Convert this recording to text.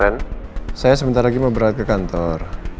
ren saya sebentar lagi mau berangkat ke kantor